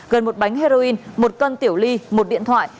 gần một bánh heroin một cân tiểu ly một điện thoại